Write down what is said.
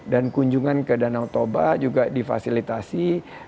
dan kunjungan ke danau toba juga difasilitasi